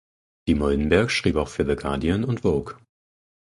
Dimoldenberg schrieb auch für The Guardian und Vogue.